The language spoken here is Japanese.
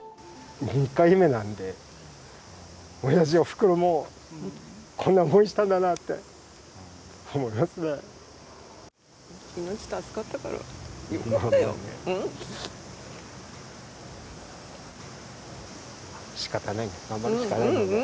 ２回目なんで、おやじ、おふくろもこんな思いしたんだなって思いますね。